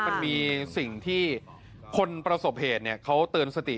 มันมีสิ่งที่คนประสบเหตุเขาเตือนสติ